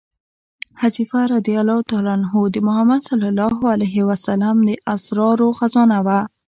حذیفه رض د محمد صلی الله علیه وسلم د اسرارو خزانه وه.